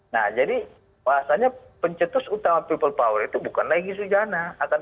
nah jadi bahasanya pencetus utama people power itu bukan lagi sujana